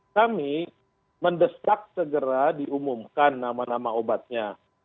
kami mendesak segera diumumkan nama nama obatnya